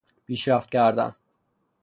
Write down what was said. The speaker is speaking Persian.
پیشرفت کردن